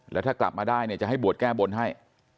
และถ้ากลับมาได้จะให้บวชแก้บนให้